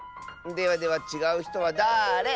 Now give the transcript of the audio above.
ではでは「ちがうひとはだれ？」。